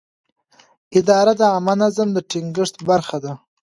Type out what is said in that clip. اداره د عامه نظم د ټینګښت برخه ده.